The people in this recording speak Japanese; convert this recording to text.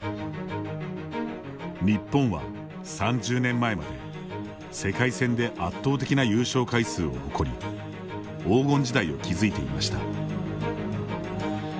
日本は３０年前まで世界戦で圧倒的な優勝回数を誇り黄金時代を築いていました。